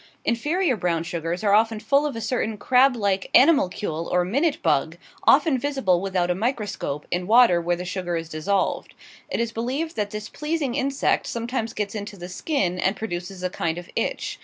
Inferior brown sugars are often full of a certain crab like animalcule or minute bug, often visible without a microscope, in water where the sugar is dissolved. It is believed that this pleasing insect sometimes gets into the skin, and produces a kind of itch.